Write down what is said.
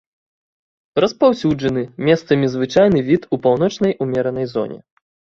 Распаўсюджаны, месцамі звычайны від у паўночнай умеранай зоне.